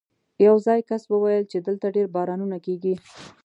یو ځايي کس وویل چې دلته ډېر بارانونه کېږي.